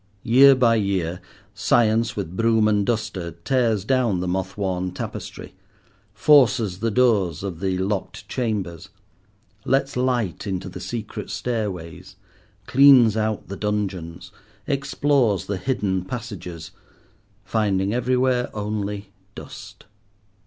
Year by year, Science with broom and duster tears down the moth worn tapestry, forces the doors of the locked chambers, lets light into the secret stairways, cleans out the dungeons, explores the hidden passages—finding everywhere only dust.